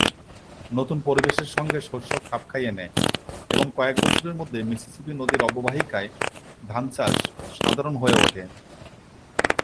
নতুন পরিবেশের সংগে শস্য খাপ খাইয়ে নেয় এবং কয়েক বছরের মধ্যে মিসিসিপি নদীর অববাহিকায় ধান চাষ সাধারণ হয়ে ওঠে।